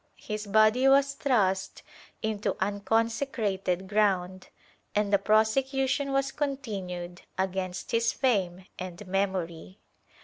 His body was thrust into unconsecrated ground and the prosecution was continued against his fame and memory.